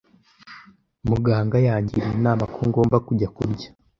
Muganga yangiriye inama ko ngomba kujya kurya.